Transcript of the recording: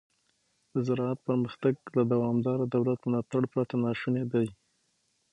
د زراعت پرمختګ له دوامداره دولت ملاتړ پرته ناشونی دی.